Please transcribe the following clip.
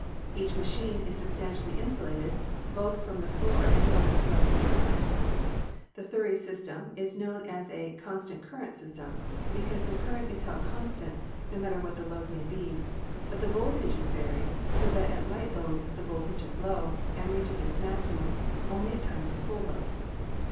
Each machine is substantially insulated, both from the floor and from its driving turbine. The Thury system is known as a "constant current" system, because the cur rent is held constant no matter what the load may be; but the voltage is varied, so that at light loads the voltage is low, and reaches its maximum only at times of full load.